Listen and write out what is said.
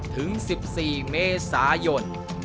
ถึง๑๔เมษายน